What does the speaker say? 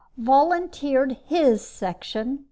_Volunteered HIS section!